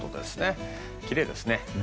きれいですね。